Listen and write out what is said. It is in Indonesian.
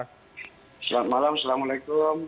selamat malam assalamualaikum